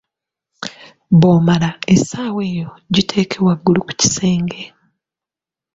Bw'omala essaawa eyo giteeke waggulu ku kisenge